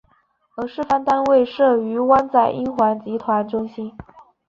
而示范单位设于湾仔英皇集团中心。